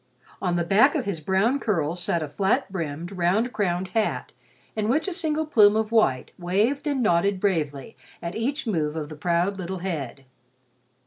On the back of his brown curls sat a flat brimmed, round crowned hat in which a single plume of white waved and nodded bravely at each move of the proud little head.